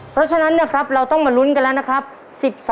เพราะฉะนั้นนะครับเราต้องมาลุ้นกันแล้วนะครับ